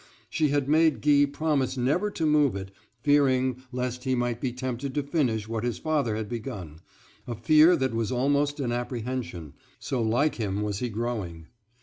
She had made Guy promise never to move it, fearing lest he might be tempted to finish what his father had begun,—a fear that was almost an apprehension, so like him was he growing.